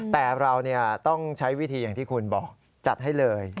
แต่เราต้องใช้วิธีอย่างที่คุณบอกจัดให้เลย